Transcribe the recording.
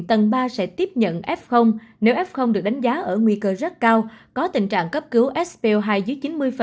tầng ba sẽ tiếp nhận f nếu f được đánh giá ở nguy cơ rất cao có tình trạng cấp cứu sp hai dưới chín mươi